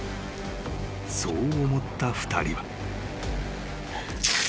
［そう思った２人は］